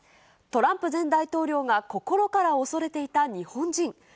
トランプ前大統領が心から恐れていた日本人。